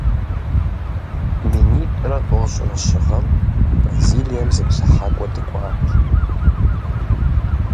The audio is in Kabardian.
Минитӏрэ тӏощӏрэ щы гъэм Бразилием зыплъыхьакӏуэ дыкӏуат.